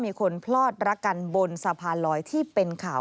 มีคนพลอดรักกันบนสะพานลอยที่เป็นข่าว